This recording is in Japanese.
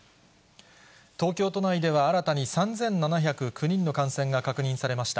東京都内では新たに３７０９人の感染が確認されました。